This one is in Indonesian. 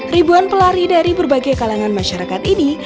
ribuan pelari dari berbagai kalangan masyarakat ini